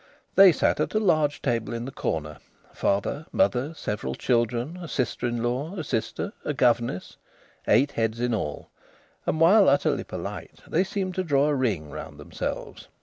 They sat at a large table in a corner father, mother, several children, a sister in law, a sister, a governess eight heads in all; and while utterly polite they seemed to draw a ring round themselves.